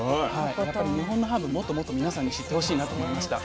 また日本のハーブもっともっと皆さんに知ってほしいなと思いました。